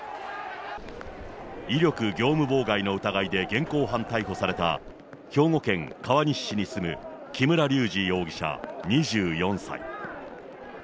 威力業務妨害の疑いで現行犯逮捕された兵庫県川西市に住む木村隆二容疑者２４歳。